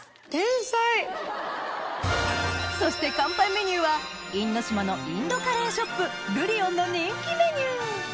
そして乾杯メニューは因島のインドカレーショップルリヲンの人気メニュー